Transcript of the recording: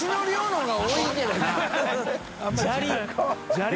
砂利！